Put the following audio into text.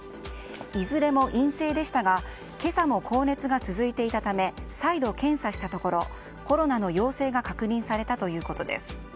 いずれも陰性でしたが今朝も高熱が続いていたため再度検査したところコロナの陽性が確認されたということです。